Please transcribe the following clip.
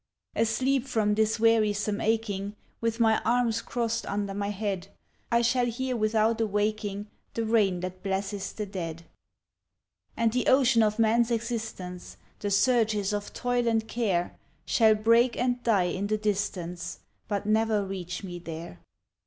Asleep from this wearisome aching, With my arms crossed under my head, I shall hear without awaking, The rain that blesses the dead. And the ocean of man's existence, The surges of toil and care, Shall break and die in the distance, But never reach me there.